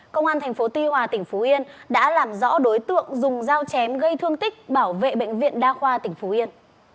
công an tp tuy hòa tỉnh phú yên đã làm rõ đối tượng dùng dao chém gây thương tích bảo vệ bệnh viện đa khoa tỉnh phú yên